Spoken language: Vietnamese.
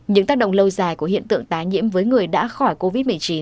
những tác động lâu dài của hiện tượng tái nhiễm với người đã khỏi covid một mươi chín